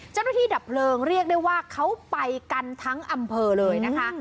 ดับเพลิงเรียกได้ว่าเขาไปกันทั้งอำเภอเลยนะคะ